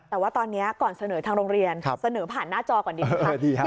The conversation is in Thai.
แต่ว่าตอนนี้ก่อนเสนอทางโรงเรียนเสนอผ่านหน้าจอก่อนดีฮะ